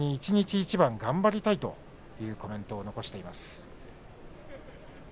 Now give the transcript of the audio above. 一日一日頑張りたいという話をしています。